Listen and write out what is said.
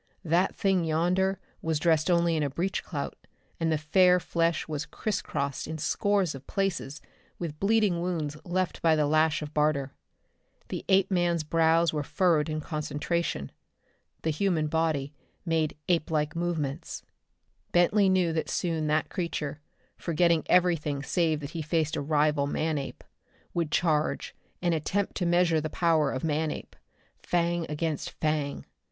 That thing yonder was dressed only in a breech clout, and the fair flesh was criss crossed in scores of places with bleeding wounds left by the lash of Barter. The Apeman's brows were furrowed in concentration. The human body made ape like movements. Bentley knew that soon that creature, forgetting everything save that he faced a rival man ape, would charge and attempt to measure the power of Manape fang against fang.